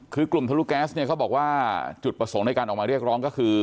คือกลุ่มทะลุแก๊สเนี่ยเขาบอกว่าจุดประสงค์ในการออกมาเรียกร้องก็คือ